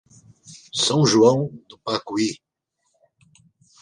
São João do Pacuí